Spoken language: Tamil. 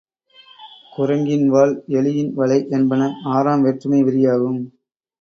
குரங்கின் வால், எலியின் வளை என்பன ஆறாம் வேற்றுமை விரியாகும்.